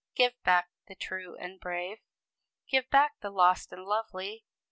Give back the true and brave! "Give back the lost and lovely!